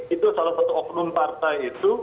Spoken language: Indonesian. itu salah satu oknum partai itu